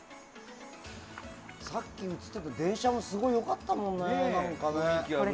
さっき映ってたけど電車も良かったもんね。